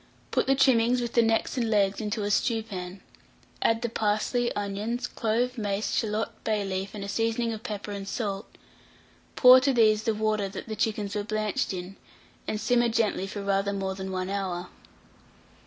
Put the trimmings, with the necks and legs, into a stewpan; add the parsley, onions, clove, mace, shalot, bay leaf, and a seasoning of pepper and salt; pour to these the water that the chickens were blanched in, and simmer gently for rather more than 1 hour.